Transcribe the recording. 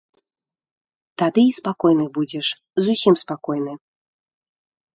Тады і спакойны будзеш, зусім спакойны.